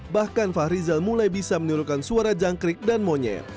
bahkan fahrizal mulai bisa menirukan suara jangkrik dan monyet